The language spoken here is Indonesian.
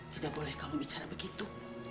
tidak boleh kamu bicara begitu